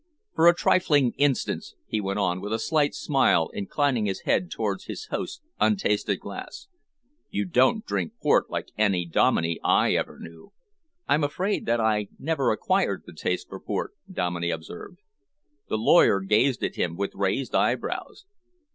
For a trifling instance," he went on, with a slight smile, inclining his head towards his host's untasted glass. "You don't drink port like any Dominey I ever knew." "I'm afraid that I never acquired the taste for port," Dominey observed. The lawyer gazed at him with raised eyebrows.